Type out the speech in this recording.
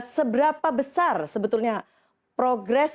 seberapa besar sebetulnya progres